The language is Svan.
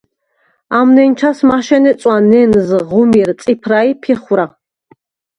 ამ ნენჩას მაშენე წვა ნენზ, ღუმირ, წიფრა ი ფიხვრა.